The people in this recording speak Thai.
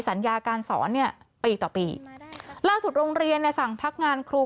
สัญญาการสอนเนี่ยปีต่อปีล่าสุดโรงเรียนเนี่ยสั่งพักงานครู